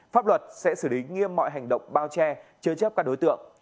pháp luật sẽ xử lý nghiêm mọi hành động bao che chứa chấp các đối tượng